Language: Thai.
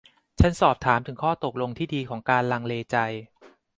ฉันสอบถามถึงข้อตกลงที่ดีของการลังเลใจ